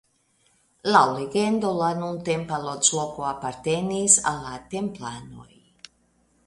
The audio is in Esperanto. Laŭ legendo la nuntempa loĝloko apartenis al la Templanoj.